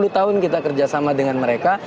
dua puluh tahun kita kerjasama dengan mereka